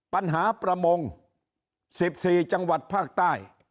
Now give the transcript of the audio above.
ปัญหาประมง๑๔จังหวัดภาคใต้